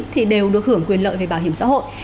thì đều được hưởng quyền lợi về bảo hiểm xã hội